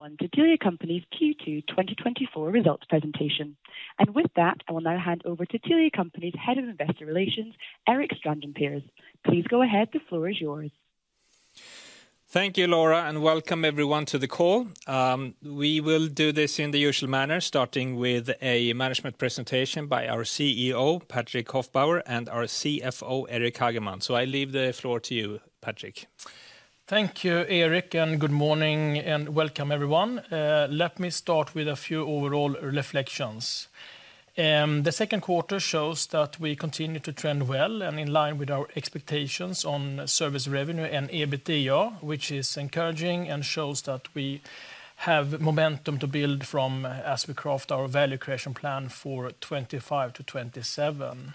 Welcome to Telia Company's Q2 2024 results presentation. With that, I will now hand over to Telia Company's Head of Investor Relations, Erik Strandin Pers. Please go ahead. The floor is yours. Thank you, Laura, and welcome everyone to the call. We will do this in the usual manner, starting with a management presentation by our CEO, Patrik Hofbauer, and our CFO, Eric Hageman. I leave the floor to you, Patrik. Thank you, Erik, and good morning, and welcome everyone. Let me start with a few overall reflections. The Q2 shows that we continue to trend well and in line with our expectations on service revenue and EBITDA, which is encouraging and shows that we have momentum to build from as we craft our value creation plan for 2025 to 2027. Like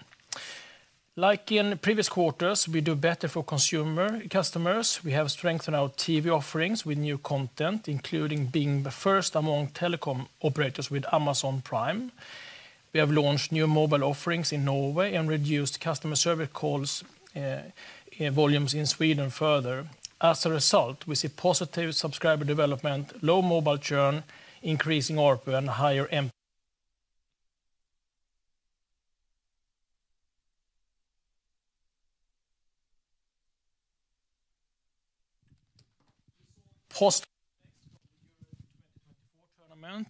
in previous quarters, we do better for consumer customers. We have strengthened our TV offerings with new content, including being the first among telecom operators with Amazon Prime. We have launched new mobile offerings in Norway and reduced customer service calls, volumes in Sweden further. As a result, we see positive subscriber development, low mobile churn, increasing ARPU, and higher MP- post from the Euro 2024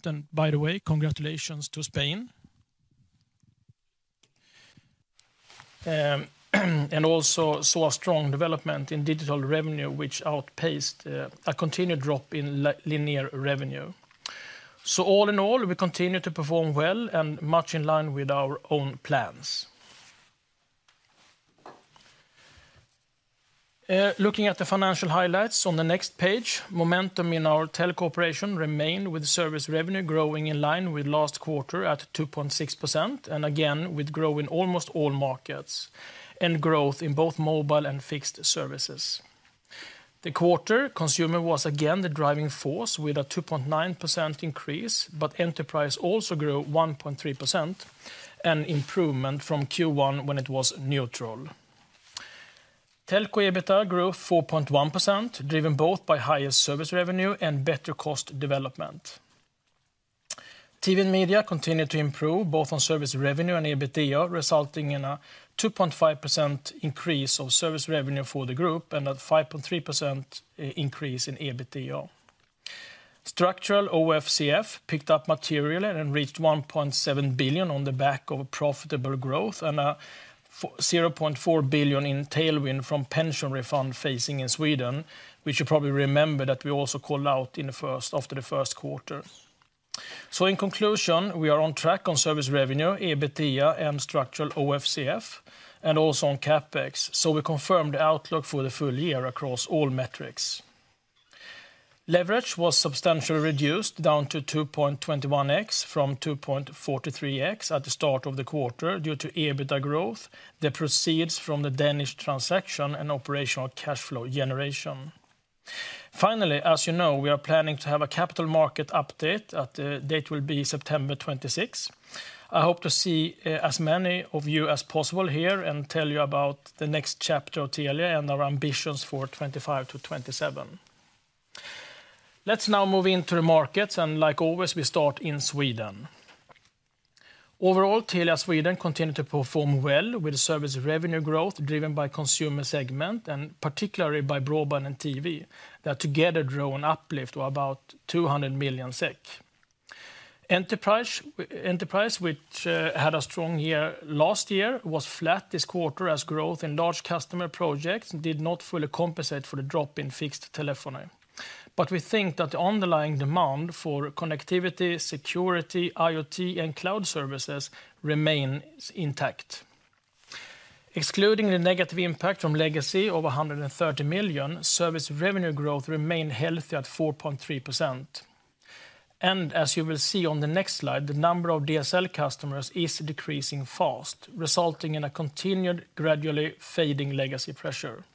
tournament, and by the way, congratulations to Spain. And also saw a strong development in digital revenue, which outpaced a continued drop in linear revenue. So all in all, we continue to perform well and much in line with our own plans. Looking at the financial highlights on the next page, momentum in our telco operation remained, with service revenue growing in line with last quarter at 2.6%, and again, with growth in almost all markets, and growth in both mobile and fixed services. The quarter consumer was again the driving force, with a 2.9% increase, but enterprise also grew 1.3%, an improvement from Q1 when it was neutral. Telco EBITDA grew 4.1%, driven both by higher service revenue and better cost development. TV and media continued to improve, both on service revenue and EBITDA, resulting in a 2.5% increase of service revenue for the group and a 5.3% increase in EBITDA. Structural OFCF picked up materially and reached SEK 1.7 billion on the back of profitable growth and a 0.4 billion in tailwind from pension refund facing in Sweden. We should probably remember that we also called out after the Q1. So in conclusion, we are on track on service revenue, EBITDA, and structural OFCF, and also on CapEx. So we confirmed the outlook for the full year across all metrics. Leverage was substantially reduced, down to 2.21x from 2.43x at the start of the quarter, due to EBITDA growth, the proceeds from the Danish transaction and operational cash flow generation. Finally, as you know, we are planning to have a capital market update, the date will be September 26th. I hope to see as many of you as possible here and tell you about the next chapter of Telia and our ambitions for 2025 to 2027. Let's now move into the markets, and like always, we start in Sweden. Overall, Telia Sweden continued to perform well with service revenue growth driven by consumer segment, and particularly by broadband and TV, that together drove an uplift of about 200 million SEK. Enterprise, which had a strong year last year, was flat this quarter, as growth in large customer projects did not fully compensate for the drop in fixed telephony. But we think that the underlying demand for connectivity, security, IoT, and cloud services remains intact. Excluding the negative impact from legacy of 130 million, service revenue growth remained healthy at 4.3%. As you will see on the next slide, the number of DSL customers is decreasing fast, resulting in a continued gradually fading legacy pressure.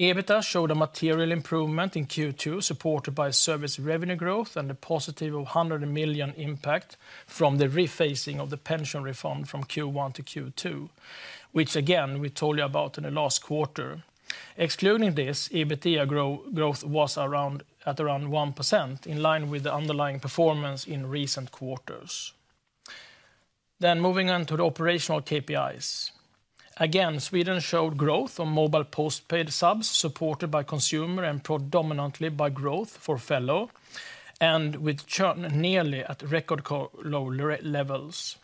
EBITDA showed a material improvement in Q2, supported by service revenue growth and a positive 100 million impact from the rephasing of the pension reform from Q1 to Q2, which again, we told you about in the last quarter. Excluding this, EBITDA growth was around 1%, in line with the underlying performance in recent quarters. Moving on to the operational KPIs. Again, Sweden showed growth on mobile postpaid subs, supported by consumer and predominantly by growth for Fellow, and with churn nearly at record low levels.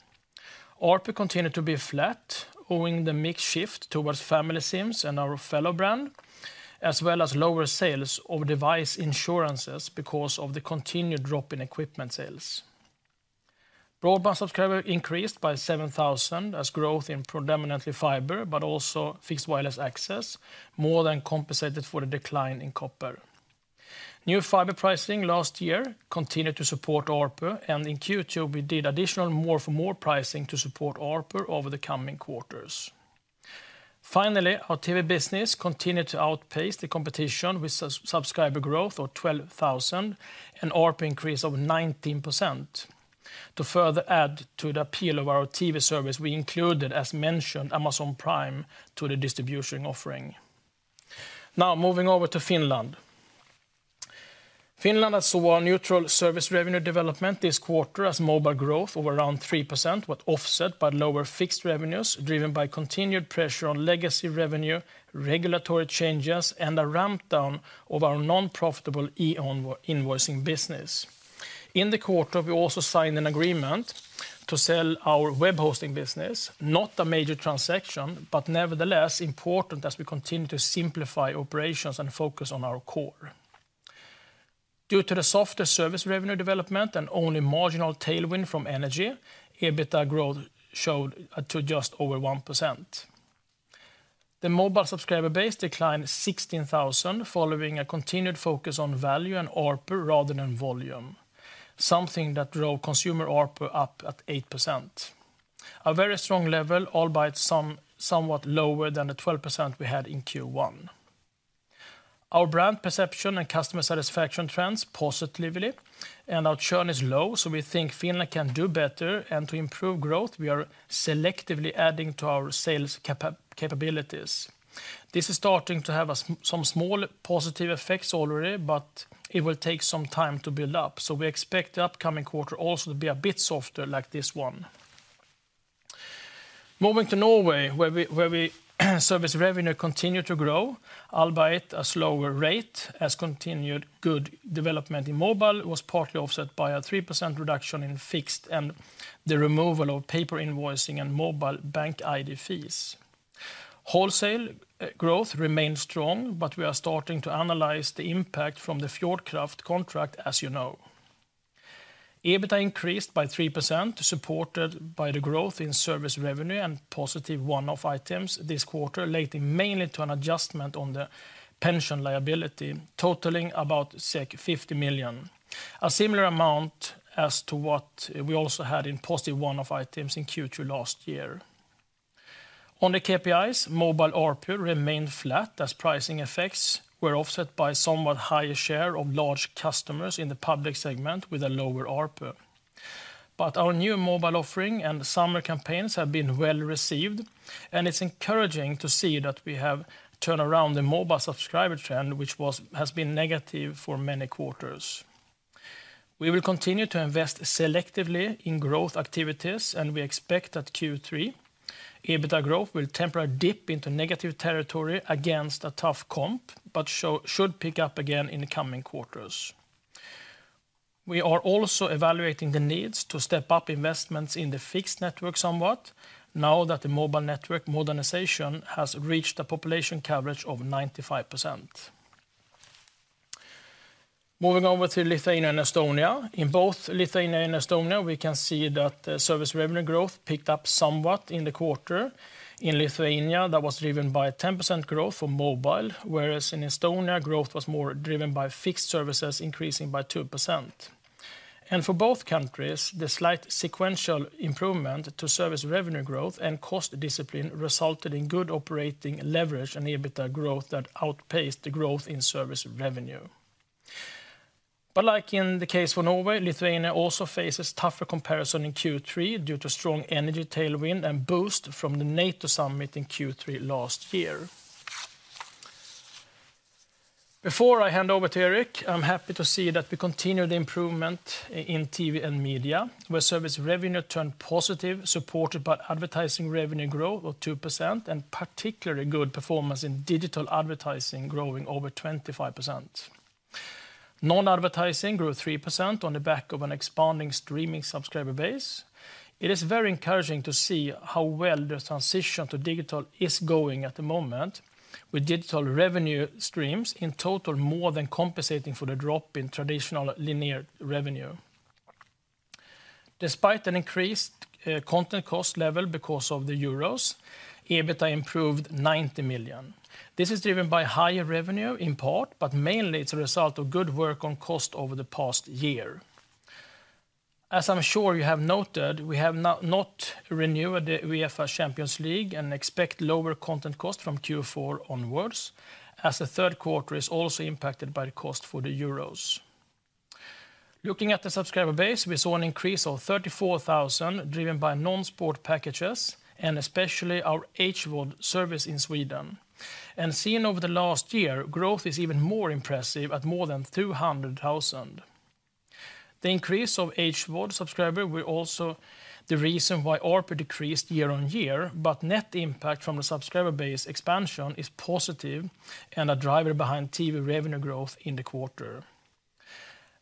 ARPU continued to be flat, owing to the mix shift towards family SIMs and our Fellow brand, as well as lower sales of device insurances because of the continued drop in equipment sales. Broadband subscriber increased by 7,000, as growth in predominantly fiber, but also fixed wireless access, more than compensated for the decline in copper. New fiber pricing last year continued to support ARPU, and in Q2, we did additional more for more pricing to support ARPU over the coming quarters. Finally, our TV business continued to outpace the competition with subscriber growth of 12,000 and ARPU increase of 19%. To further add to the appeal of our TV service, we included, as mentioned, Amazon Prime to the distribution offering. Now, moving over to Finland. Finland has saw a neutral service revenue development this quarter as mobile growth of around 3% was offset by lower fixed revenues, driven by continued pressure on legacy revenue, regulatory changes, and a ramp down of our non-profitable e-onboard invoicing business. In the quarter, we also signed an agreement to sell our web hosting business, not a major transaction, but nevertheless important as we continue to simplify operations and focus on our core. Due to the softer service revenue development and only marginal tailwind from energy, EBITDA growth showed to just over 1%. The mobile subscriber base declined 16,000, following a continued focus on value and ARPU rather than volume, something that drove consumer ARPU up at 8%. A very strong level, albeit somewhat lower than the 12% we had in Q1. Our brand perception and customer satisfaction trends positively, and our churn is low, so we think Finland can do better, and to improve growth, we are selectively adding to our sales capabilities. This is starting to have some small positive effects already, but it will take some time to build up, so we expect the upcoming quarter also to be a bit softer like this one. Moving to Norway, where we service revenue continued to grow, albeit a slower rate, as continued good development in mobile was partly offset by a 3% reduction in fixed and the removal of paper invoicing and mobile bank ID fees. Wholesale growth remains strong, but we are starting to analyze the impact from the Fjordkraft contract, as you know. EBITDA increased by 3%, supported by the growth in service revenue and positive one-off items this quarter, relating mainly to an adjustment on the pension liability, totaling about 50 million. A similar amount as to what we also had in positive one-off items in Q2 last year. On the KPIs, mobile ARPU remained flat, as pricing effects were offset by somewhat higher share of large customers in the public segment with a lower ARPU. But our new mobile offering and summer campaigns have been well received, and it's encouraging to see that we have turned around the mobile subscriber trend, which has been negative for many quarters. We will continue to invest selectively in growth activities, and we expect that Q3, EBITDA growth will temporarily dip into negative territory against a tough comp, but should pick up again in the coming quarters. We are also evaluating the needs to step up investments in the fixed network somewhat now that the mobile network modernization has reached a population coverage of 95%. Moving over to Lithuania and Estonia. In both Lithuania and Estonia, we can see that service revenue growth picked up somewhat in the quarter. In Lithuania, that was driven by a 10% growth from mobile, whereas in Estonia, growth was more driven by fixed services, increasing by 2%. And for both countries, the slight sequential improvement to service revenue growth and cost discipline resulted in good operating leverage and EBITDA growth that outpaced the growth in service revenue. But like in the case for Norway, Lithuania also faces tougher comparison in Q3 due to strong energy tailwind and boost from the NATO summit in Q3 last year. Before I hand over to Eric, I'm happy to see that we continue the improvement in TV and media, where service revenue turned positive, supported by advertising revenue growth of 2% and particularly good performance in digital advertising, growing over 25%. Non-advertising grew 3% on the back of an expanding streaming subscriber base. It is very encouraging to see how well the transition to digital is going at the moment, with digital revenue streams in total more than compensating for the drop in traditional linear revenue. Despite an increased content cost level because of the Euros, EBITDA improved 90 million. This is driven by higher revenue in part, but mainly it's a result of good work on cost over the past year. As I'm sure you have noted, we have not, not renewed the UEFA Champions League and expect lower content cost from Q4 onwards, as the Q3 is also impacted by the cost for the Euros. Looking at the subscriber base, we an increase of 34,000, driven by non-sport packages and especially our Hboard service in Sweden. And seen over the last year, growth is even more impressive at more than 200,000. The increase of Hboard subscriber were also the reason why ARPU decreased year-over-year, but net impact from the subscriber base expansion is positive and a driver behind TV revenue growth in the quarter.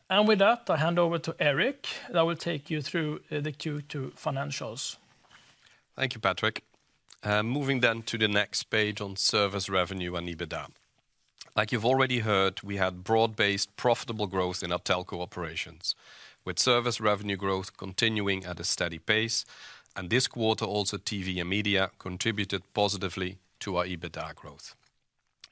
And with that, I hand over to Eric, that will take you through, the Q2 financials. Thank you, Patrik. Moving then to the next page on service revenue and EBITDA. Like you've already heard, we had broad-based, profitable growth in our telco operations, with service revenue growth continuing at a steady pace, and this quarter, also TV and media contributed positively to our EBITDA growth.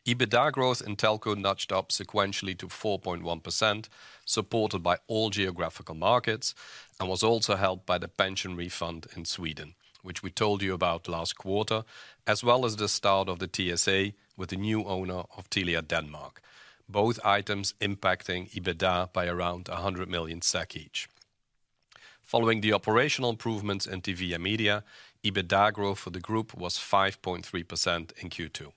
EBITDA growth in telco nudged up sequentially to 4.1%, supported by all geographical markets, and was also helped by the pension refund in Sweden, which we told you about last quarter, as well as the start of the TSA with the new owner of Telia Denmark, both items impacting EBITDA by around 100 million SEK each. Following the operational improvements in TV and media, EBITDA growth for the group was 5.3% in Q2.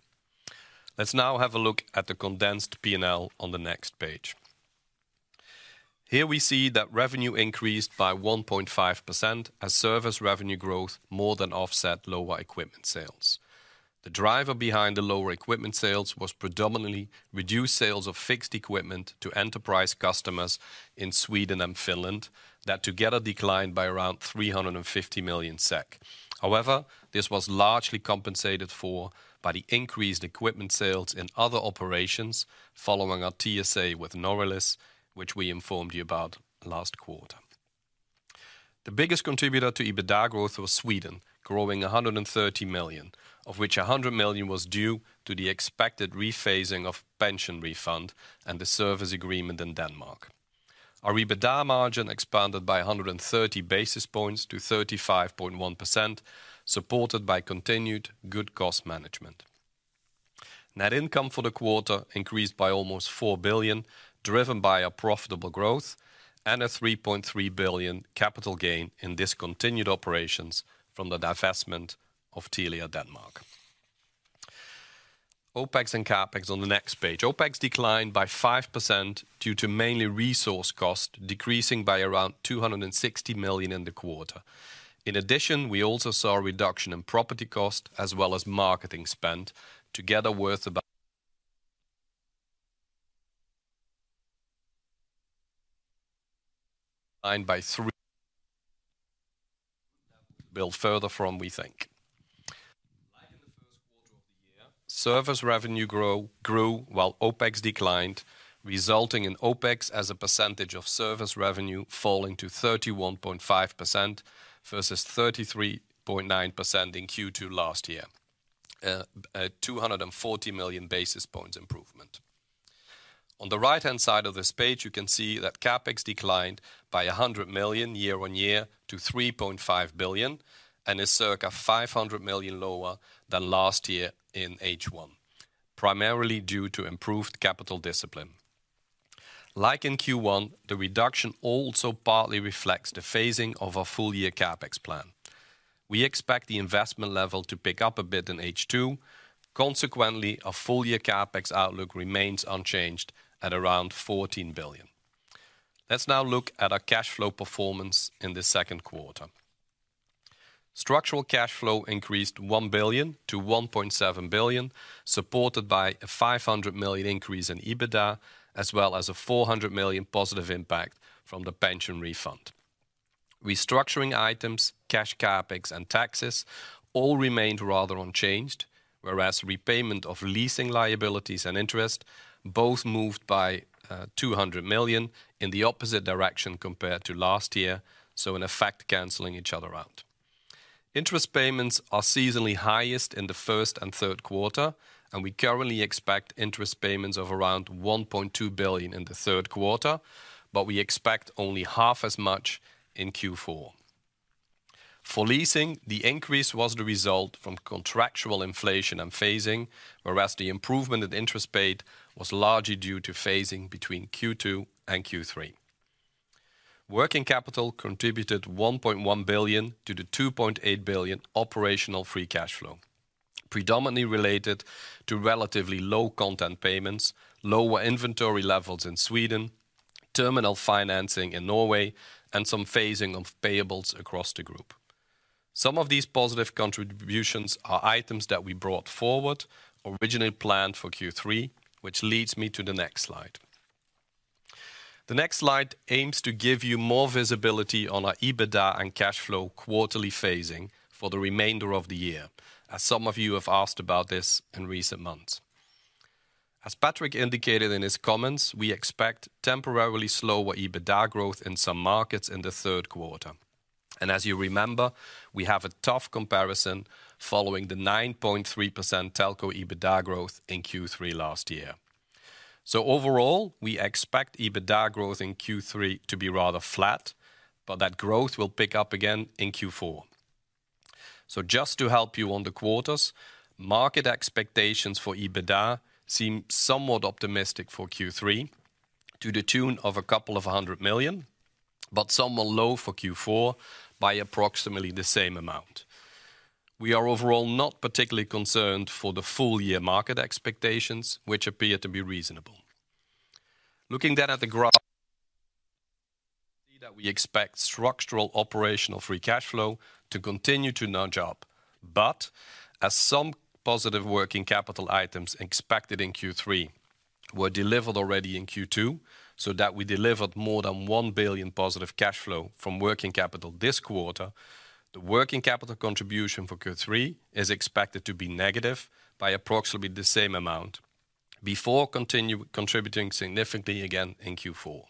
Let's now have a look at the condensed P&L on the next page. Here, we see that revenue increased by 1.5% as service revenue growth more than offset lower equipment sales. The driver behind the lower equipment sales was predominantly reduced sales of fixed equipment to enterprise customers in Sweden and Finland, that together declined by around 350 million SEK. However, this was largely compensated for by the increased equipment sales in other operations, following our TSA with Noralis, which we informed you about last quarter. The biggest contributor to EBITDA growth was Sweden, growing 130 million, of which 100 million was due to the expected rephasing of pension refund and the service agreement in Denmark. Our EBITDA margin expanded by 130 basis points to 35.1%, supported by continued good cost management. Net income for the quarter increased by almost 4 billion, driven by a profitable growth and a 3.3 billion capital gain in discontinued operations from the divestment of Telia Denmark. OpEx and CapEx on the next page. OpEx declined by 5% due to mainly resource cost, decreasing by around 260 million in the quarter. In addition, we also saw a reduction in property cost as well as marketing spend, together worth about, we think. Like in the Q1 of the year, service revenue grew while OpEx declined, resulting in OpEx as a percentage of service revenue falling to 31.5% versus 33.9% in Q2 last year, a 240 basis points improvement. On the right-hand side of this page, you can see that CapEx declined by 100 million year-over-year to 3.5 billion, and is circa 500 million lower than last year in H1, primarily due to improved capital discipline. Like in Q1, the reduction also partly reflects the phasing of our full-year CapEx plan. We expect the investment level to pick up a bit in H2. Consequently, our full-year CapEx outlook remains unchanged at around 14 billion. Let's now look at our cash flow performance in the Q2. Structural cash flow increased 1 billion to 1.7 billion, supported by a 500 million increase in EBITDA, as well as a 400 million positive impact from the pension refund. Restructuring items, cash CapEx, and taxes all remained rather unchanged, whereas repayment of leasing liabilities and interest both moved by 200 million in the opposite direction compared to last year, so in effect, canceling each other out. Interest payments are seasonally highest in the first and Q3, and we currently expect interest payments of around 1.2 billion in the Q3, but we expect only half as much in Q4. For leasing, the increase was the result from contractual inflation and phasing, whereas the improvement in interest paid was largely due to phasing between Q2 and Q3. Working capital contributed 1.1 billion to the 2.8 billion operational free cash flow, predominantly related to relatively low content payments, lower inventory levels in Sweden, terminal financing in Norway, and some phasing of payables across the group. Some of these positive contributions are items that we brought forward, originally planned for Q3, which leads me to the next slide. The next slide aims to give you more visibility on our EBITDA and cash flow quarterly phasing for the remainder of the year, as some of you have asked about this in recent months. As Patrick indicated in his comments, we expect temporarily slower EBITDA growth in some markets in the Q3. And as you remember, we have a tough comparison following the 9.3% telco EBITDA growth in Q3 last year. So overall, we expect EBITDA growth in Q3 to be rather flat, but that growth will pick up again in Q4. So just to help you on the quarters, market expectations for EBITDA seem somewhat optimistic for Q3 to the tune of 200 million, but somewhat low for Q4 by approximately the same amount. We are overall not particularly concerned for the full-year market expectations, which appear to be reasonable. Looking then at the graph, that we expect structural operational free cash flow to continue to nudge up. But as some positive working capital items expected in Q3 were delivered already in Q2, so that we delivered more than 1 billion positive cash flow from working capital this quarter, the working capital contribution for Q3 is expected to be negative by approximately the same amount before contributing significantly again in Q4.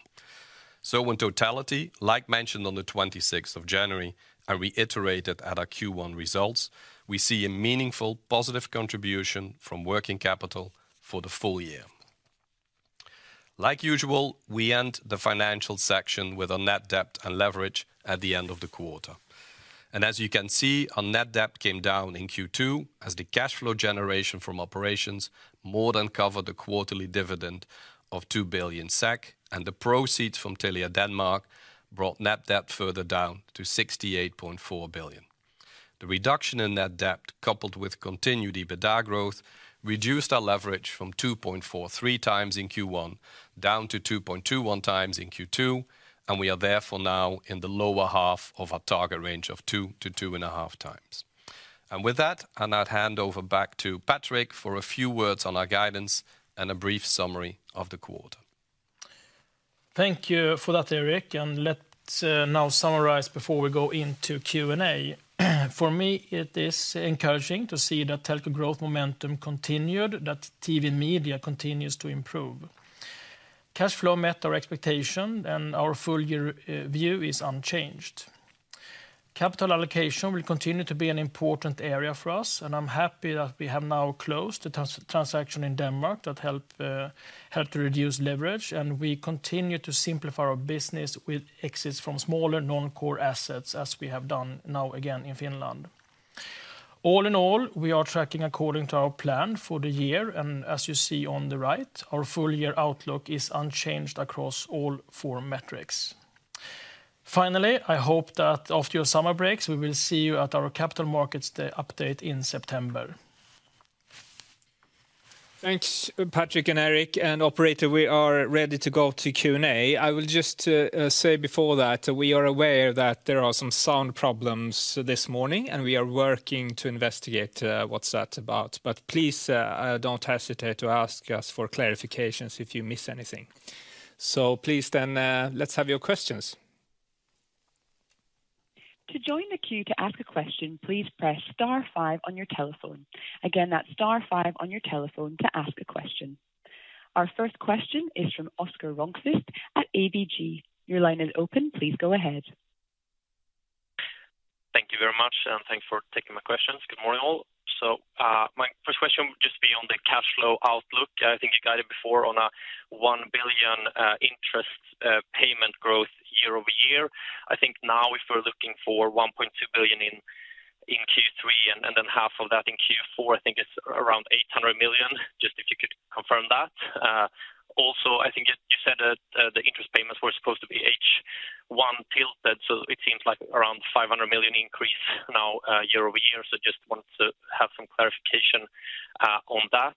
So in totality, like mentioned on the 26th of January, and reiterated at our Q1 results, we see a meaningful positive contribution from working capital for the full year. Like usual, we end the financial section with our net debt and leverage at the end of the quarter. As you can see, our net debt came down in Q2, as the cash flow generation from operations more than covered the quarterly dividend of 2 billion SEK, and the proceeds from Telia Denmark brought net debt further down to 68.4 billion. The reduction in net debt, coupled with continued EBITDA growth, reduced our leverage from 2.43 times in Q1, down to 2.21 times in Q2, and we are therefore now in the lower half of our target range of 2 to 2.5 times. With that, I'll now hand over back to Patrik for a few words on our guidance and a brief summary of the quarter. Thank you for that, Eric, and let's now summarize before we go into Q&A. For me, it is encouraging to see that telco growth momentum continued, that TV and media continues to improve. Cash flow met our expectation, and our full year view is unchanged. Capital allocation will continue to be an important area for us, and I'm happy that we have now closed the transaction in Denmark that helped to reduce leverage, and we continue to simplify our business with exits from smaller, non-core assets, as we have done now again in Finland. All in all, we are tracking according to our plan for the year, and as you see on the right, our full year outlook is unchanged across all four metrics. Finally, I hope that after your summer breaks, we will see you at our capital markets the update in September. Thanks, Patrik and Eric. And operator, we are ready to go to Q&A. I will just say before that, we are aware that there are some sound problems this morning, and we are working to investigate what's that about. But please, don't hesitate to ask us for clarifications if you miss anything. So please then, let's have your questions. To join the queue to ask a question, please press star five on your telephone. Again, that's star five on your telephone to ask a question. Our first question is from Oscar Rönnkvist at ABG. Your line is open. Please go ahead. Thank you very much, and thanks for taking my questions. Good morning, all. So, my first question would just be on the cash flow outlook. I think you guided before on a 1 billion interest payment growth year-over-year. I think now if we're looking for 1.2 billion in Q3 and then half of that in Q4, I think it's around 800 million. Just if you could confirm that. Also, I think you said that the interest payments were supposed to be H1 tilted, so it seems like around 500 million increase now year-over-year. So just wanted to have some clarification on that.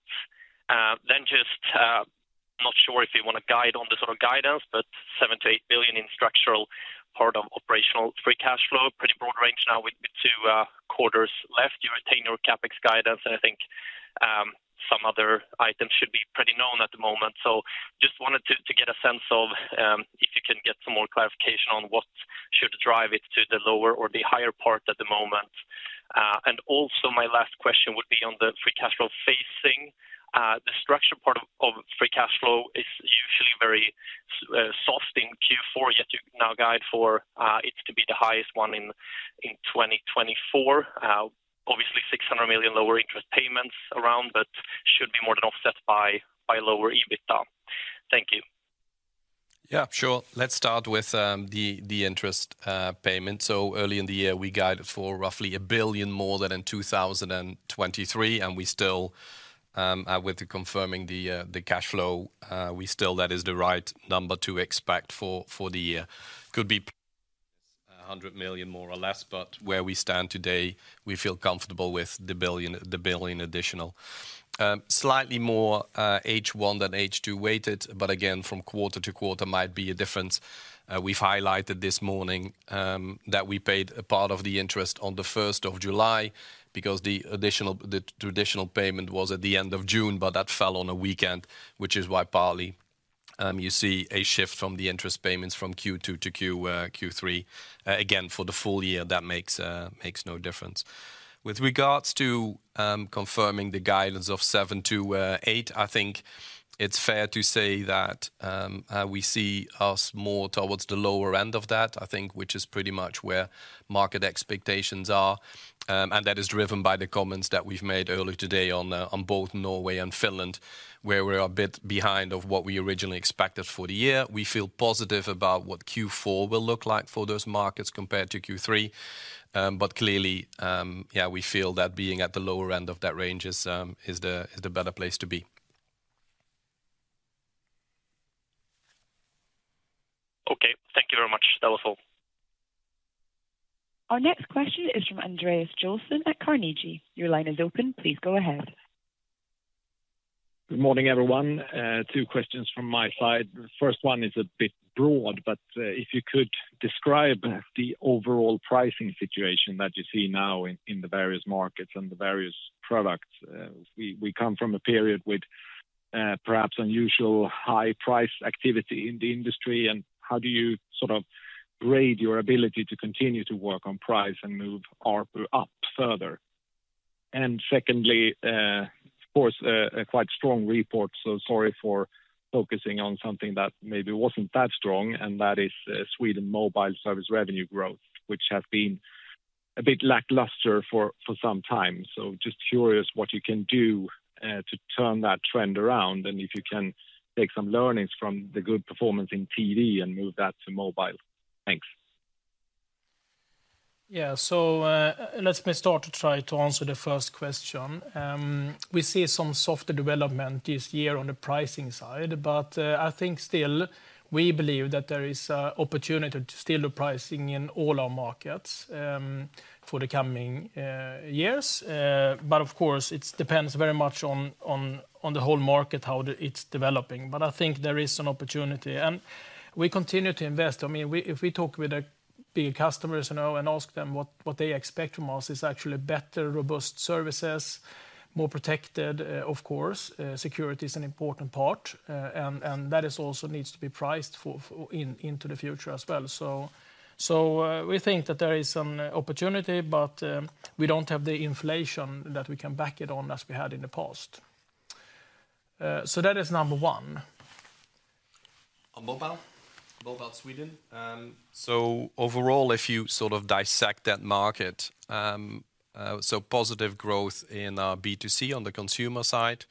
Then just not sure if you want to guide on this sort of guidance, but 7 billion to 8 billion in structural part of operational free cash flow. Pretty broad range now with the two quarters left. You retain your CapEx guidance, and I think some other items should be pretty known at the moment. So just wanted to get a sense of if you can get some more clarification on what should drive it to the lower or the higher part at the moment? And also my last question would be on the free cash flow facing. The structure part of free cash flow is usually very soft in Q4, yet you now guide for it to be the highest one in 2024. Obviously, 600 million lower interest payments around, but should be more than offset by lower EBITDA. Thank you. Yeah, sure. Let's start with the interest payment. So early in the year, we guided for roughly 1 billion more than in 2023, and we still, with confirming the cash flow, we still that is the right number to expect for the year. Could be 100 million, more or less, but where we stand today, we feel comfortable with the billion, 1 billion additional. Slightly more H1 than H2 weighted, but again, from quarter to quarter might be a difference. We've highlighted this morning that we paid a part of the interest on the first of July, because the additional, the traditional payment was at the end of June, but that fell on a weekend, which is why partly you see a shift from the interest payments from Q2 to Q3. Again, for the full year, that makes no difference. With regards to confirming the guidance of 7 to 8, I think it's fair to say that we see us more towards the lower end of that, I think, which is pretty much where market expectations are. And that is driven by the comments that we've made earlier today on both Norway and Finland, where we're a bit behind of what we originally expected for the year. We feel positive about what Q4 will look like for those markets compared to Q3. But clearly, we feel that being at the lower end of that range is the better place to be. Okay. Thank you very much. That was all. Our next question is from Andreas Joelsson at Carnegie. Your line is open. Please go ahead. Good morning, everyone. Two questions from my side. The first one is a bit broad, but if you could describe the overall pricing situation that you see now in the various markets and the various products. We come from a period with perhaps unusual high price activity in the industry, and how do you sort of grade your ability to continue to work on price and move ARPU up further? And secondly, of course, a quite strong report, so sorry for focusing on something that maybe wasn't that strong, and that is Sweden mobile service revenue growth, which has been a bit lackluster for some time. So just curious what you can do to turn that trend around, and if you can take some learnings from the good performance in TV and move that to mobile. Thanks. Yeah, so, let me start to try to answer the first question. We see some softer development this year on the pricing side, but, I think still we believe that there is a opportunity to still do pricing in all our markets, for the coming, years. But of course, it's depends very much on, on, on the whole market, how it's developing. But I think there is an opportunity, and we continue to invest. I mean, if we talk with the big customers, you know, and ask them what, what they expect from us, it's actually better, robust services, more protected, of course. Security is an important part, and that is also needs to be priced for, into the future as well. We think that there is some opportunity, but we don't have the inflation that we can back it on as we had in the past. So that is number one. On mobile, mobile Sweden, so overall, if you sort of dissect that market, so positive growth in our B2C on the consumer side.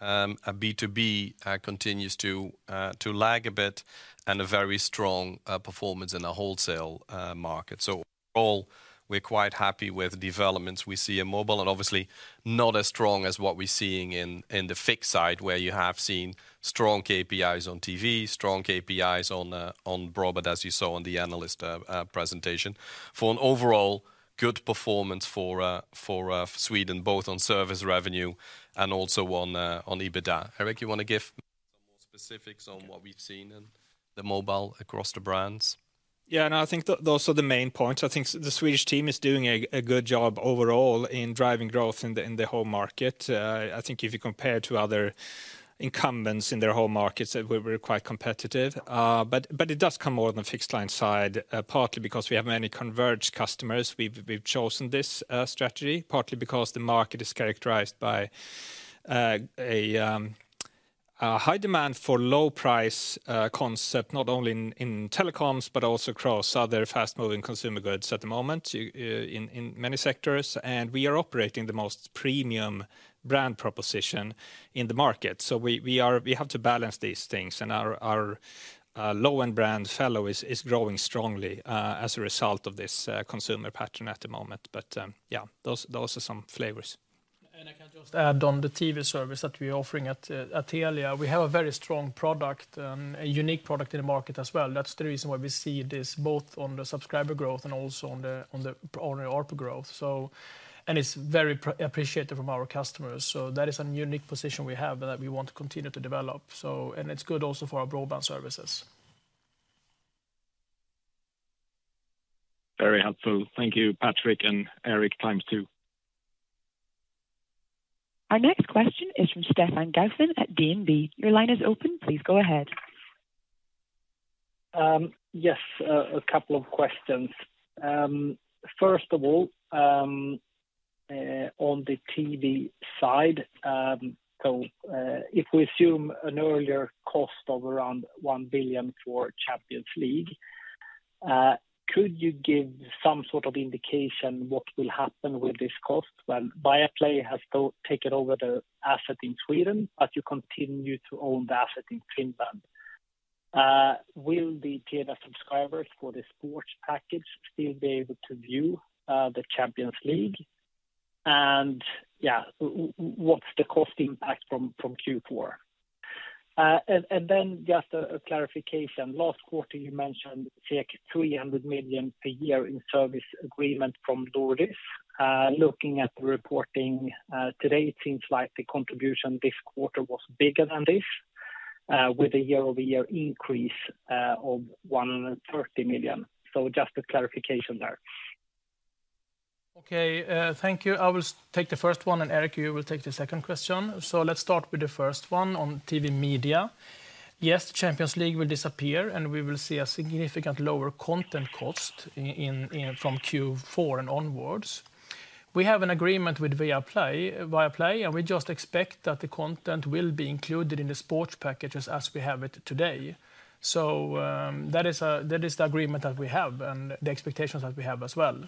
A B2B continues to lag a bit, and a very strong performance in the wholesale market. So all, we're quite happy with the developments we see in mobile, and obviously not as strong as what we're seeing in the fixed side, where you have seen strong KPIs on TV, strong KPIs on broadband, as you saw on the analyst presentation. For an overall good performance for Sweden, both on service revenue and also on EBITDA. Eric, you want to give some more specifics on what we've seen in the mobile across the brands? Yeah, and I think those are the main points. I think the Swedish team is doing a good job overall in driving growth in the whole market. I think if you compare to other incumbents in their home markets, that we're quite competitive. But it does come more on the fixed line side, partly because we have many converged customers. We've chosen this strategy, partly because the market is characterized by a high demand for low price concept, not only in telecoms, but also across other fast-moving consumer goods at the moment, in many sectors. And we are operating the most premium brand proposition in the market. So we have to balance these things, and our low-end brand fellow is growing strongly as a result of this consumer pattern at the moment. But yeah, those are some flavors. And I can just add on the TV service that we're offering at Telia. We have a very strong product, a unique product in the market as well. That's the reason why we see this, both on the subscriber growth and also on the ARPU growth. So, And it's very appreciated from our customers, so that is a unique position we have that we want to continue to develop. So, and it's good also for our broadband services. Very helpful. Thank you, Patrik and Eric, times two. Our next question is from Stefan Gustafson at DNB. Your line is open. Please go ahead. Yes, a couple of questions. First of all, on the TV side, so, if we assume an earlier cost of around 1 billion for Champions League, could you give some sort of indication what will happen with this cost? Well, Viaplay has taken over the asset in Sweden, but you continue to own the asset in Finland. Will the TV subscribers for the sports package still be able to view the Champions League? And, yeah, what's the cost impact from Q4? And then just a clarification. Last quarter, you mentioned 300 million per year in service agreement from Nordics. Looking at the reporting today, it seems like the contribution this quarter was bigger than this, with a year-over-year increase of 130 million. Just a clarification there. Okay, thank you. I will take the first one, and Eric, you will take the second question. So let's start with the first one on TV media. Yes, the Champions League will disappear, and we will see a significant lower content cost in from Q4 and onwards. We have an agreement with Viaplay, Viaplay, and we just expect that the content will be included in the sports packages as we have it today. So, that is, that is the agreement that we have and the expectations that we have as well.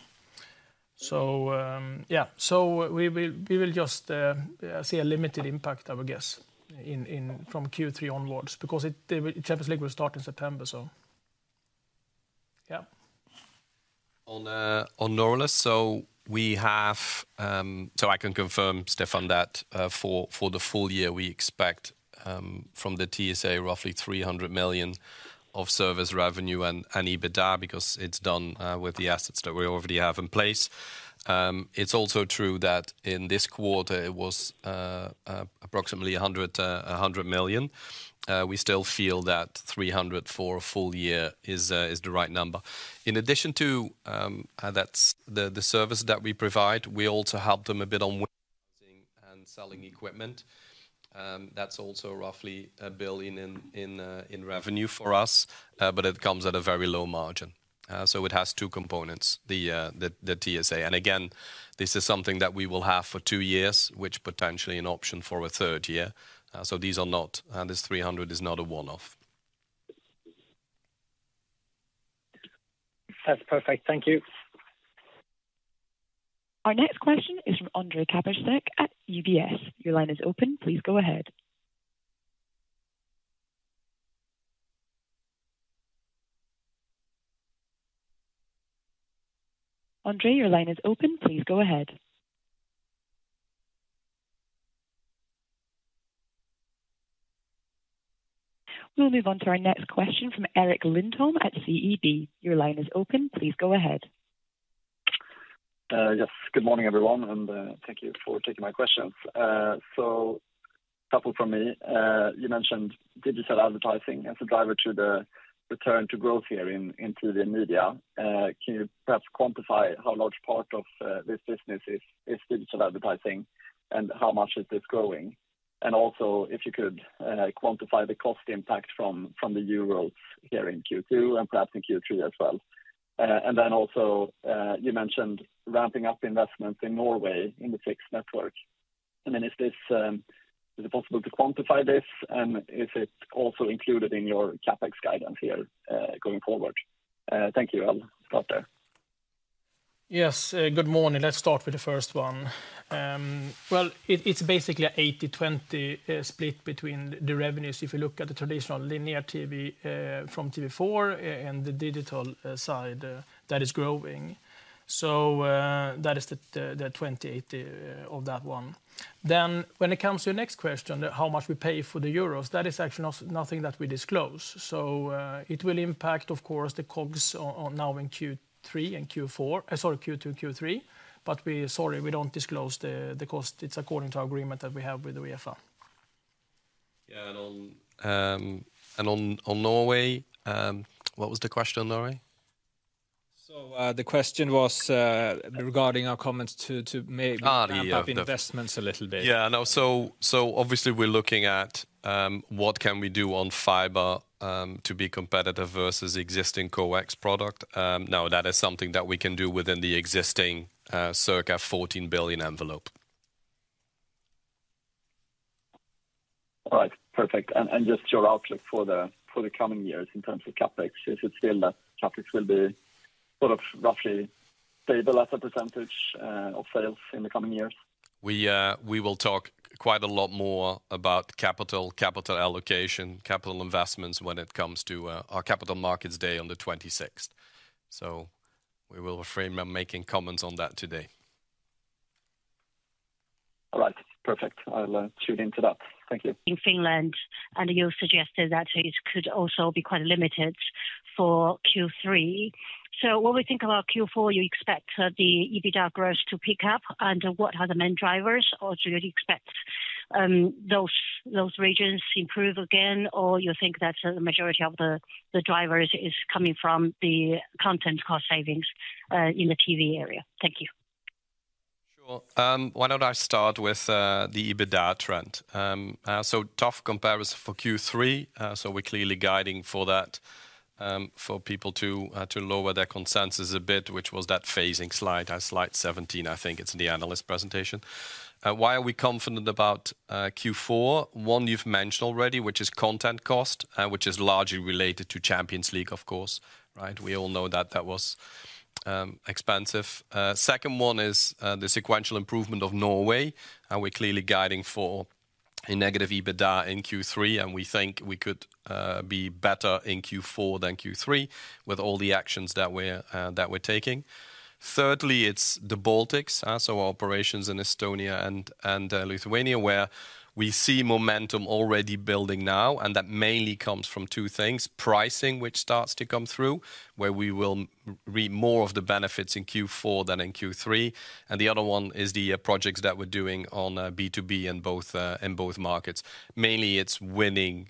So, yeah. So we will just see a limited impact, I would guess, from Q3 onwards, because the Champions League will start in September, so yeah. On Nordics, so we have. So I can confirm, Stefan, that for the full year, we expect from the TSA, roughly 300 million of service revenue and EBITDA, because it's done with the assets that we already have in place. It's also true that in this quarter, it was approximately 100 million. We still feel that 300 million for a full year is the right number. In addition to that, that's the service that we provide, we also help them a bit on-selling equipment. That's also roughly 1 billion in revenue for us, but it comes at a very low margin. So it has two components, the TSA. Again, this is something that we will have for two years, which potentially an option for a third year. So these are not, and this 300 is not a one-off. That's perfect. Thank you. Our next question is from Ondrej Cabejšek at UBS. Your line is open. Please go ahead. Andre, your line is open. Please go ahead. We'll move on to our next question from Erik Lindholm at SEB. Your line is open. Please go ahead. Yes, good morning, everyone, and thank you for taking my questions. So a couple from me. You mentioned digital advertising as a driver to the return to growth here in, into the media. Can you perhaps quantify how large part of this business is digital advertising, and how much is this growing? And also, if you could quantify the cost impact from the euros here in Q2 and perhaps in Q3 as well. And then also, you mentioned ramping up investments in Norway in the fixed network. I mean, is this... Is it possible to quantify this, and is it also included in your CapEx guidance here, going forward? Thank you. I'll stop there. Yes, good morning. Let's start with the first one. Well, it's basically an 80/20 split between the revenues. If you look at the traditional linear TV from TV4 and the digital side that is growing. So that is the 20/80 of that one. Then when it comes to your next question, how much we pay for the euros, that is actually nothing that we disclose. So it will impact, of course, the COGS on now in Q3 and Q4, sorry, Q2, Q3, but we, Sorry, we don't disclose the cost. It's according to our agreement that we have with the UEFA. Yeah, and on Norway, what was the question on Norway? So, the question was, regarding our comments to make- Ah, yes. investments a little bit. Yeah, no. So, so obviously we're looking at what can we do on fiber to be competitive versus existing coax product. Now, that is something that we can do within the existing circa 14 billion envelope. All right. Perfect. And just your outlook for the coming years in terms of CapEx. Is it still that CapEx will be sort of roughly stable as a percentage of sales in the coming years? We, we will talk quite a lot more about capital, capital allocation, capital investments when it comes to, our capital markets day on the twenty-sixth. So we will refrain from making comments on that today. All right. Perfect. I'll tune into that. Thank you. In Finland, and you suggested that it could also be quite limited for Q3. So when we think about Q4, you expect the EBITDA growth to pick up, and what are the main drivers? Or do you expect those, those regions to improve again, or you think that the majority of the, the drivers is coming from the content cost savings in the TV area? Thank you. Sure. Why don't I start with the EBITDA trend? So tough comparison for Q3. So we're clearly guiding for that, for people to to lower their consensus a bit, which was that phasing slide, slide 17, I think it's in the analyst presentation. Why are we confident about Q4? One you've mentioned already, which is content cost, which is largely related to Champions League, of course, right? We all know that that was expensive. Second one is the sequential improvement of Norway, and we're clearly guiding for a negative EBITDA in Q3, and we think we could be better in Q4 than Q3 with all the actions that we're that we're taking. Thirdly, it's the Baltics, so operations in Estonia and Lithuania, where we see momentum already building now, and that mainly comes from two things: pricing, which starts to come through, where we will realize more of the benefits in Q4 than in Q3, and the other one is the projects that we're doing on B2B in both markets. Mainly it's winning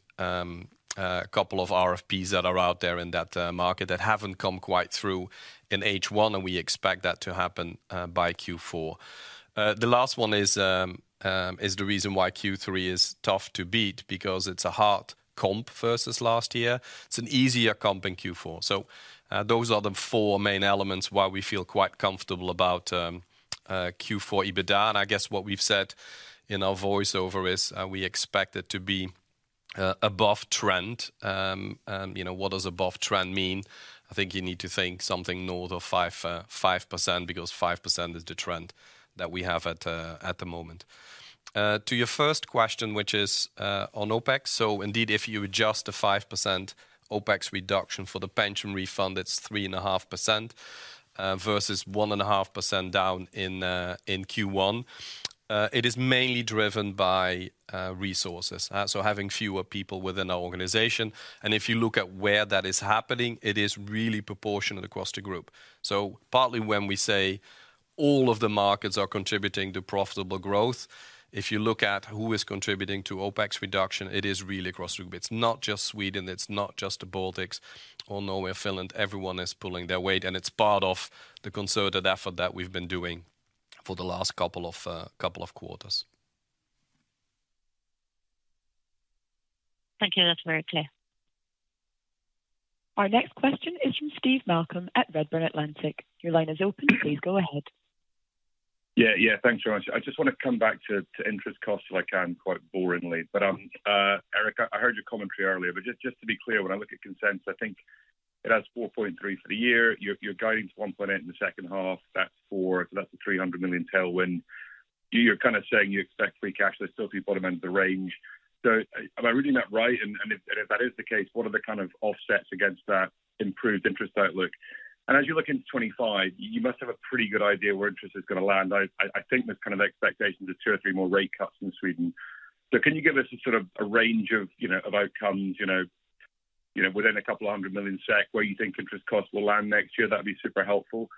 a couple of RFPs that are out there in that market that haven't quite come through in H1, and we expect that to happen by Q4. The last one is the reason why Q3 is tough to beat, because it's a hard comp versus last year. It's an easier comp in Q4. So, those are the four main elements why we feel quite comfortable about Q4 EBITDA. I guess what we've said in our voice over is, we expect it to be above trend. You know, what does above trend mean? I think you need to think something north of 5, 5%, because 5% is the trend that we have at the moment. To your first question, which is on OpEx. So indeed, if you adjust the 5% OpEx reduction for the pension refund, it's 3.5%, versus 1.5% down in Q1. It is mainly driven by resources, so having fewer people within our organization. And if you look at where that is happening, it is really proportionate across the group. So partly when we say all of the markets are contributing to profitable growth, if you look at who is contributing to OpEx reduction, it is really across the group. It's not just Sweden, it's not just the Baltics or Norway, Finland. Everyone is pulling their weight, and it's part of the concerted effort that we've been doing for the last couple of, couple of quarters. Thank you. That's very clear. Our next question is from Steve Malcolm at Redburn Atlantic. Your line is open. Please go ahead. Yeah, yeah, thanks very much. I just want to come back to interest costs, if I can, quite boringly. But, Eric, I heard your commentary earlier, but just to be clear, when I look at consensus, I think it has 4.3 for the year. You're guiding to 1.8 in the second half. That's 4, so that's a 300 million tailwind. You're kind of saying you expect free cash flow still to be bottom end of the range. So am I reading that right? And if that is the case, what are the kind of offsets against that improved interest outlook? And as you look into 2025, you must have a pretty good idea where interest is going to land. I think there's kind of expectations of 2 or 3 more rate cuts in Sweden. Can you give us a sort of a range of, you know, of outcomes, you know, you know, within 200 million SEK, where you think interest costs will land next year? That'd be super helpful.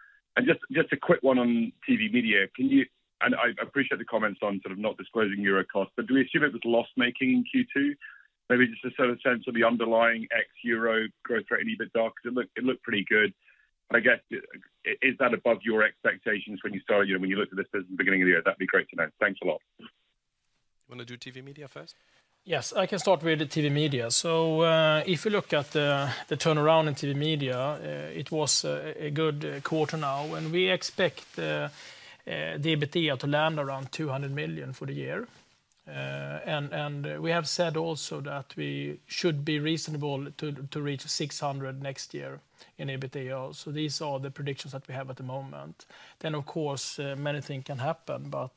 Just a quick one on TV Media. Can you, and I appreciate the comments on sort of not disclosing euro cost, but do we assume it was loss-making in Q2? Maybe just to sort of sense of the underlying ex-euro growth rate any bit darker. It looked pretty good. I guess is that above your expectations when you started, you know, when you looked at this at the beginning of the year? That'd be great to know. Thanks a lot. You want to do TV Media first? Yes, I can start with the TV Media. So, if you look at the turnaround in TV Media, it was a good quarter now, and we expect the EBITDA to land around 200 million for the year. And we have said also that we should be reasonable to reach 600 million next year in EBITDA. So these are the predictions that we have at the moment. Then, of course, many things can happen, but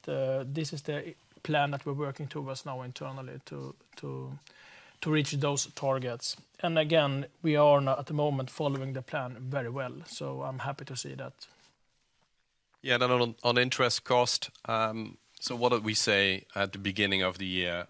this is the plan that we're working towards now internally to reach those targets. And again, we are now at the moment following the plan very well, so I'm happy to see that. Yeah, then on interest cost, so what did we say at the beginning of the year?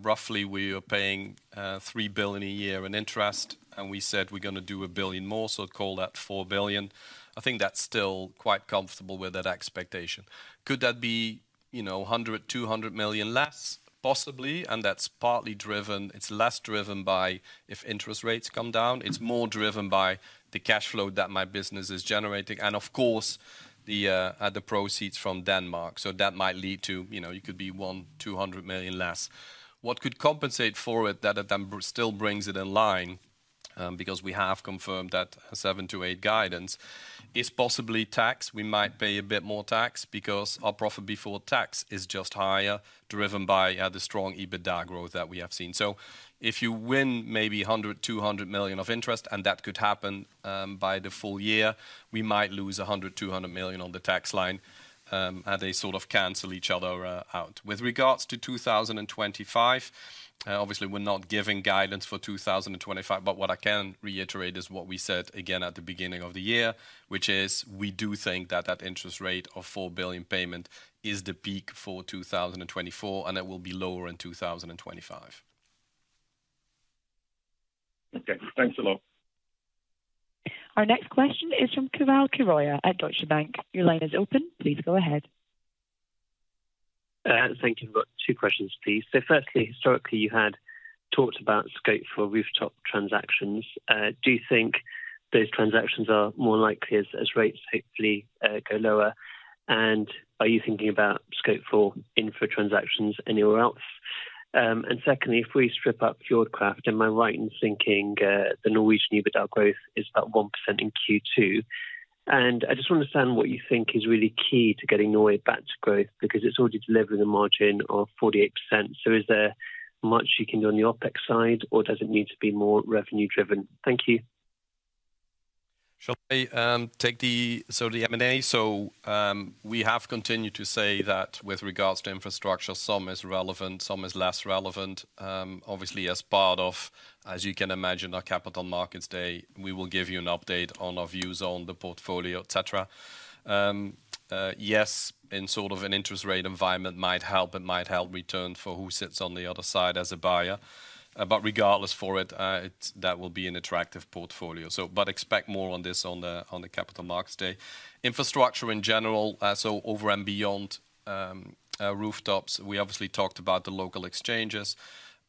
Roughly, we are paying 3 billion a year in interest, and we said we're gonna do 1 billion more, so call that 4 billion. I think that's still quite comfortable with that expectation. Could that be, you know, 100 million to 200 million less? Possibly, and that's partly driven. It's less driven by if interest rates come down. It's more driven by the cash flow that my business is generating and, of course, the proceeds from Denmark. So that might lead to, you know, you could be 100 million to 200 million less. What could compensate for it, that it then still brings it in line, because we have confirmed that 7 to 8 guidance, is possibly tax. We might pay a bit more tax because our profit before tax is just higher, driven by the strong EBITDA growth that we have seen. So if you win maybe 100 million to 200 million of interest, and that could happen by the full year, we might lose 100 million to 200 million on the tax line, and they sort of cancel each other out. With regards to 2025, obviously, we're not giving guidance for 2025, but what I can reiterate is what we said again at the beginning of the year, which is we do think that that interest rate of 4 billion payment is the peak for 2024, and it will be lower in 2025. Okay. Thanks a lot. Our next question is from Keval Khiroya at Deutsche Bank. Your line is open. Please go ahead. Thank you. I've got two questions, please. So firstly, historically, you had talked about scope for rooftop transactions. Do you think those transactions are more likely as rates hopefully go lower? And are you thinking about scope for infra transactions anywhere else? And secondly, if we strip up Fjordcraft, am I right in thinking the Norwegian EBITDA growth is about 1% in Q2? And I just want to understand what you think is really key to getting Norway back to growth, because it's already delivering a margin of 48%. So is there much you can do on the OpEx side, or does it need to be more revenue driven? Thank you. Shall I take the? So the M&A, so, we have continued to say that with regards to infrastructure, some is relevant, some is less relevant. Obviously, as part of, as you can imagine, our Capital Markets Day, we will give you an update on our views on the portfolio, et cetera. Yes, in sort of an interest rate environment might help. It might help return for who sits on the other side as a buyer. But regardless for it, it's that will be an attractive portfolio. So but expect more on this on the Capital Markets Day. Infrastructure in general, so over and beyond rooftops, we obviously talked about the local exchanges.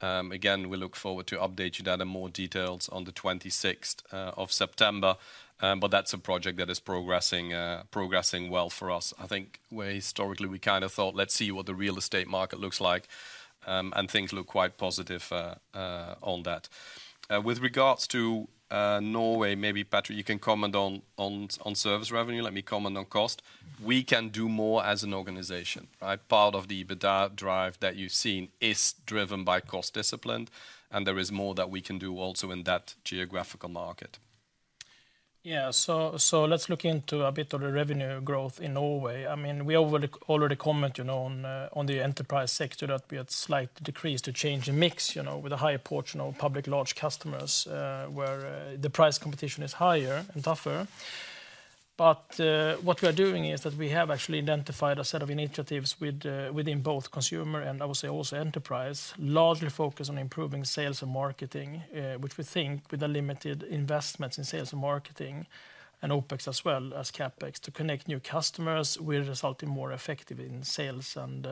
Again, we look forward to update you that in more details on the 26th of September. But that's a project that is progressing, progressing well for us. I think we historically, we kind of thought, let's see what the real estate market looks like, and things look quite positive, on that. With regards to Norway, maybe, Patrick, you can comment on service revenue. Let me comment on cost. We can do more as an organization, right? Part of the EBITDA drive that you've seen is driven by cost discipline, and there is more that we can do also in that geographical market. Yeah, so let's look into a bit of the revenue growth in Norway. I mean, we already comment, you know, on the enterprise sector, that we had slight decrease to change in mix, you know, with a higher portion of public large customers, where the price competition is higher and tougher. But what we are doing is that we have actually identified a set of initiatives within both consumer and I would say also enterprise, largely focused on improving sales and marketing, which we think with the limited investments in sales and marketing and OpEx as well as CapEx, to connect new customers will result in more effective in sales and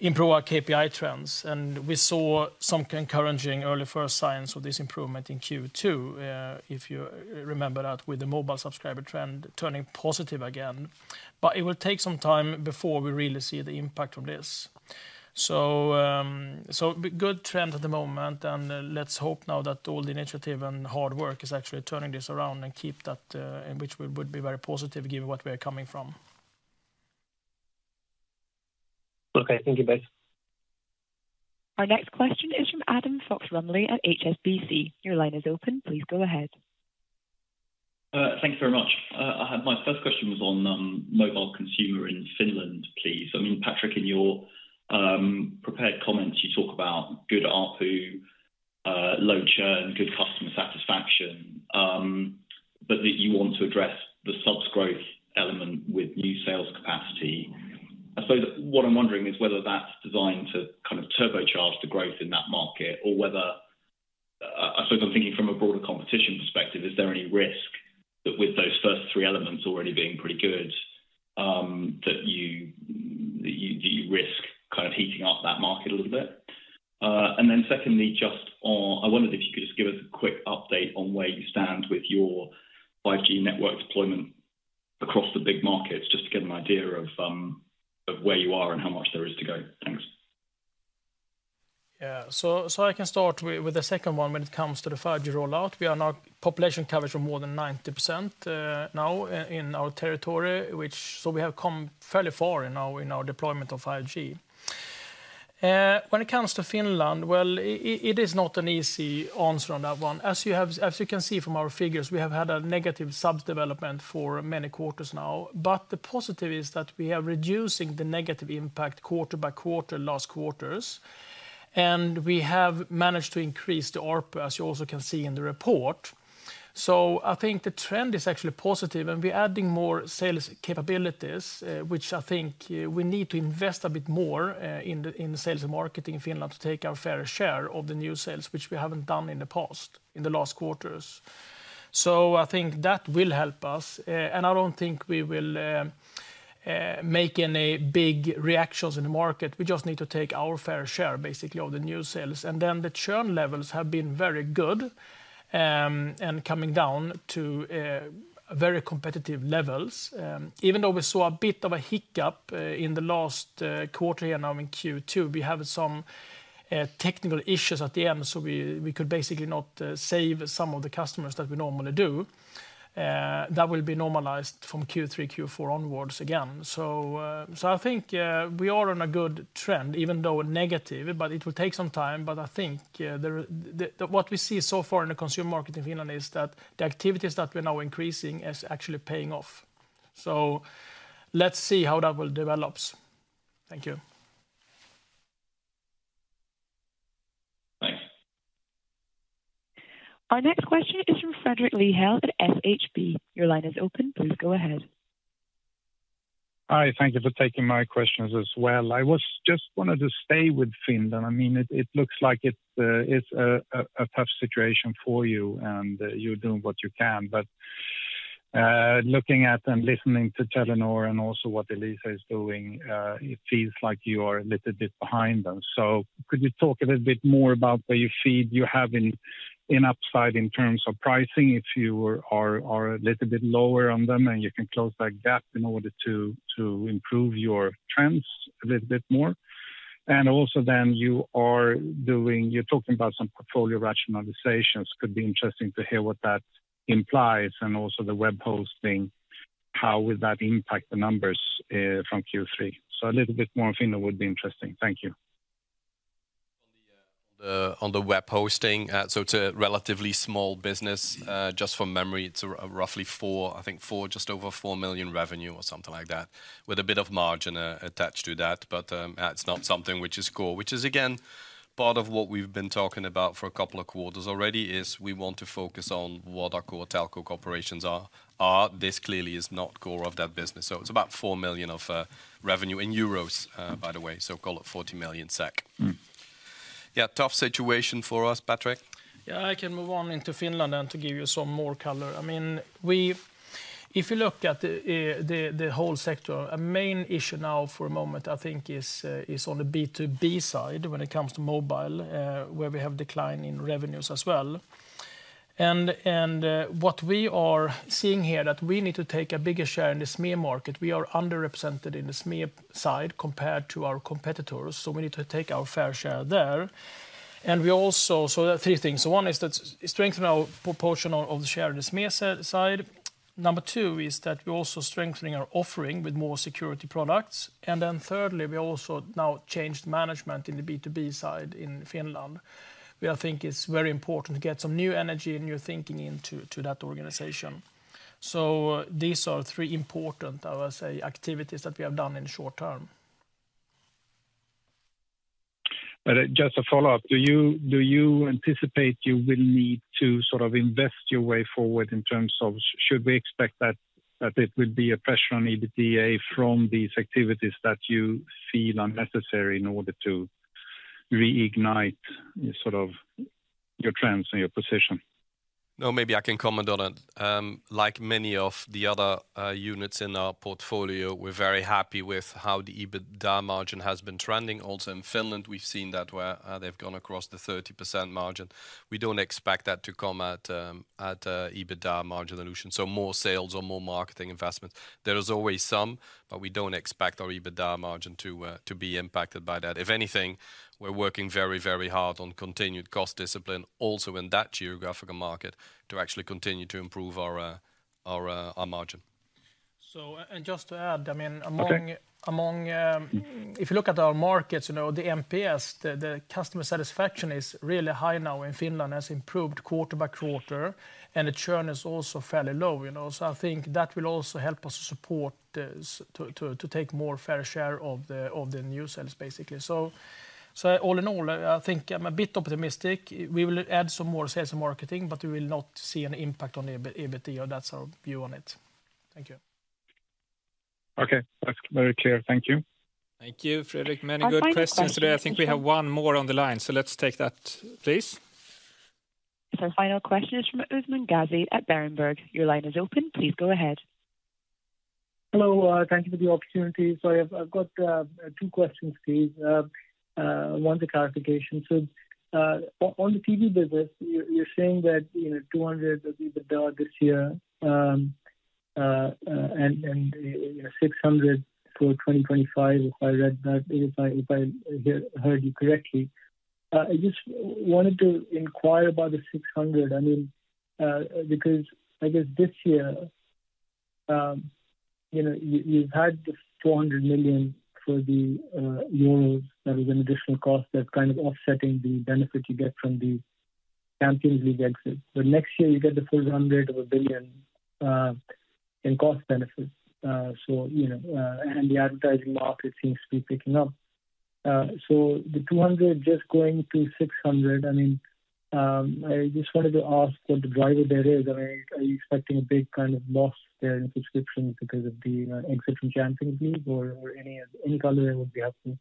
improve our KPI trends. We saw some encouraging early first signs of this improvement in Q2, if you remember that with the mobile subscriber trend turning positive again. But it will take some time before we really see the impact of this. So, good trend at the moment, and let's hope now that all the initiative and hard work is actually turning this around and keep that, in which we would be very positive, given what we are coming from. Okay, thank you both. Our next question is from Adam Fox-Rumley at HSBC. Your line is open. Please go ahead. Thank you very much. I had my first question on mobile consumer in Finland, please. I mean, Patrik, in your prepared comments, you talk about good ARPU, low churn, good customer satisfaction, but that you want to address the subs growth element with new sales capacity. I suppose what I'm wondering is whether that's designed to kind of turbocharge the growth in that market, or whether I suppose I'm thinking from a broader competition perspective, is there any risk that with those first three elements already being pretty good, that you, that you do you risk kind of heating up that market a little bit? And then secondly, just on, I wondered if you could just give us a quick update on where you stand with your 5G network deployment across the big markets, just to get an idea of where you are and how much there is to go. Thanks. Yeah. So I can start with the second one when it comes to the 5G rollout. We are now population coverage of more than 90%, now in our territory, we have come fairly far in our deployment of 5G. When it comes to Finland, well, it is not an easy answer on that one. As you can see from our figures, we have had a negative subs development for many quarters now. But the positive is that we are reducing the negative impact quarter by quarter, last quarters, and we have managed to increase the ARPU, as you also can see in the report. So I think the trend is actually positive, and we're adding more sales capabilities, which I think we need to That will be normalized from Q3, Q4 onwards again. So I think we are on a good trend, even though negative, but it will take some time. But I think what we see so far in the consumer market in Finland is that the activities that we're now increasing is actually paying off. So let's see how that will develops. Thank you. Thanks. Our next question is from Fredrik Lithell at SHB. Your line is open. Please go ahead. Hi, thank you for taking my questions as well. I just wanted to stay with Finland. I mean, it looks like it's a tough situation for you, and you're doing what you can. But looking at and listening to Telenor and also what Elisa is doing, it feels like you are a little bit behind them. So could you talk a little bit more about where you feel you have an upside in terms of pricing, if you are a little bit lower on them, and you can close that gap in order to improve your trends a little bit more? And also, you're talking about some portfolio rationalizations. Could be interesting to hear what that implies, and also the web hosting, how will that impact the numbers from Q3? A little bit more on Finland would be interesting. Thank you. On the web hosting, so it's a relatively small business. Just from memory, it's roughly 4, I think 4, just over 4 million revenue or something like that, with a bit of margin attached to that. But that's not something which is core, which is again part of what we've been talking about for a couple of quarters already, is we want to focus on what our core telco corporations are. This clearly is not core of that business, so it's about 4 million of revenue in Euros, by the way, so call it 40 million SEK. Yeah, tough situation for us, Patrick. Yeah, I can move on into Finland and to give you some more color. I mean, we've if you look at the whole sector, a main issue now for a moment, I think is on the B2B side, when it comes to mobile, where we have decline in revenues as well. And what we are seeing here, that we need to take a bigger share in the SME market. We are underrepresented in the SME side compared to our competitors, so we need to take our fair share there. And we also. So there are three things. So one is that strengthen our proportion of the share in the SME side. Number two is that we're also strengthening our offering with more security products. And then thirdly, we also now changed management in the B2B side in Finland, where I think it's very important to get some new energy and new thinking into, to that organization. So these are three important, I would say, activities that we have done in the short term. But just a follow-up: do you, do you anticipate you will need to sort of invest your way forward in terms of should we expect that, that it will be a pressure on EBITDA from these activities that you feel are necessary in order to reignite sort of your trends and your position? No, maybe I can comment on it. Like many of the other units in our portfolio, we're very happy with how the EBITDA margin has been trending. Also in Finland, we've seen that where they've gone across the 30% margin. We don't expect that to come at EBITDA margin dilution, so more sales or more marketing investments. There is always some, but we don't expect our EBITDA margin to be impacted by that. If anything, we're working very, very hard on continued cost discipline, also in that geographical market, to actually continue to improve our margin. So, just to add, I mean, among, Okay. Among, if you look at our markets, you know, the MPS, the customer satisfaction is really high now in Finland, has improved quarter by quarter, and the churn is also fairly low, you know? So I think that will also help us to support this, to take more fair share of the new sales, basically. So all in all, I think I'm a bit optimistic. We will add some more sales and marketing, but we will not see an impact on the EBITDA. That's our view on it. Thank you. Okay. That's very clear. Thank you. Thank you, Fredrik. Many good questions today. I think we have one more on the line, so let's take that, please. Our final question is from Usman Gazi at Berenberg. Your line is open. Please go ahead. Hello. Thank you for the opportunity. So I've got two questions, please. One's a clarification. So, on the TV business, you're saying that, you know, 200 will be the bill this year, and, you know, 600 for 2025, if I read that, if I heard you correctly. I just wanted to inquire about the 600. I mean, because I guess this year, you know, you've had the 400 million for the loans, that is an additional cost that's kind of offsetting the benefit you get from the Champions League exit. But next year you get the full 100 billion in cost benefits. So, you know, and the advertising market seems to be picking up. So the 200 just going to 600, I mean, I just wanted to ask what the driver there is. Am I, are you expecting a big kind of loss there in subscriptions because of the exit from Champions League, or, or any, any color there would be helpful.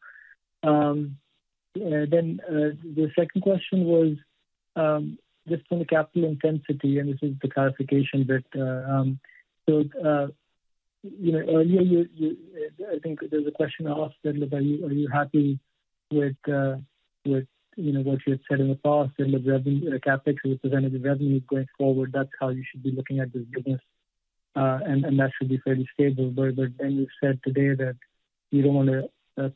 Then, the second question was, just on the capital intensity, and this is the clarification bit. So, you know, earlier you, you, I think there was a question asked that are you, are you happy with, with, you know, what you had said in the past, and the revenue, the CapEx represented the revenue going forward, that's how you should be looking at this business, and, and that should be fairly stable. But then you said today that you don't wanna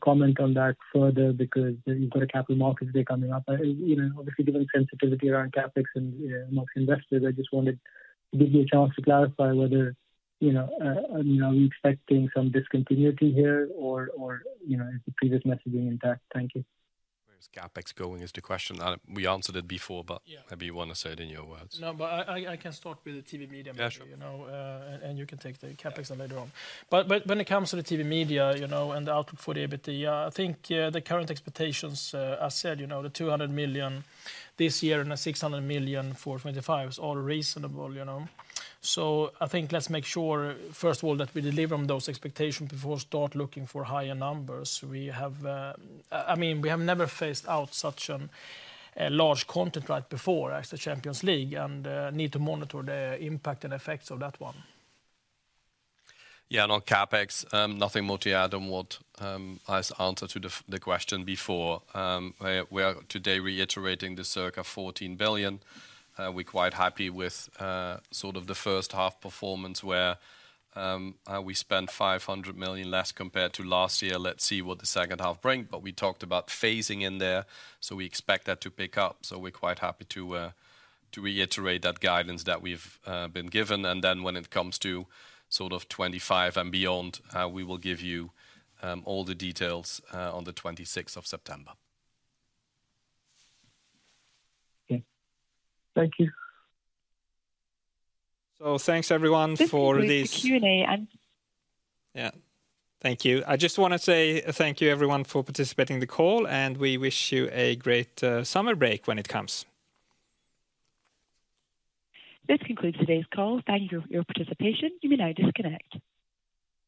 comment on that further because you've got a capital markets day coming up. You know, obviously, given sensitivity around CapEx and most investors, I just wanted to give you a chance to clarify whether, you know, are you expecting some discontinuity here or, you know, is the previous messaging intact? Thank you. Where is CapEx going, is the question. We answered it before, but, Yeah. Maybe you want to say it in your words. No, but I can start with the TV media- Yeah. You know, and you can take the CapEx later on. But when it comes to the TV media, you know, and the outlook for the EBITDA, I think the current expectations are set, you know, 200 million this year and 600 million for 2025 is all reasonable, you know? So I think let's make sure, first of all, that we deliver on those expectations before start looking for higher numbers. We haves I mean, we have never phased out such a large content right before as the Champions League and need to monitor the impact and effects of that one. Yeah, and on CapEx, nothing more to add on what I answered to the question before. We are today reiterating the circa 14 billion. We're quite happy with sort of the first half performance where we spent 500 million less compared to last year. Let's see what the second half bring, but we talked about phasing in there, so we expect that to pick up. So we're quite happy to reiterate that guidance that we've been given. And then when it comes to sort of 25 and beyond, we will give you all the details on the 26th of September. Okay. Thank you. Thanks, everyone, for this, This concludes the Q&A, and Yeah. Thank you. I just wanna say thank you, everyone, for participating in the call, and we wish you a great summer break when it comes. This concludes today's call. Thank you for your participation. You may now disconnect.